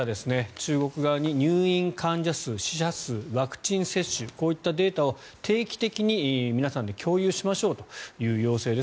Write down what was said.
中国側に入院患者数死者数、ワクチン接種こういったデータを定期的に皆さんで共有しましょうという要請です。